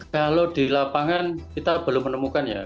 kalau di lapangan kita belum menemukan ya